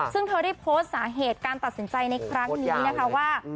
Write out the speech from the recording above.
ซึ่งเธอได้โพสต์สาเหตุการตัดสินใจในครั้งนี้นะคะว่า